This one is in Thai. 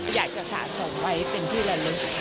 อยากจะสะสมไว้เป็นที่ระนึก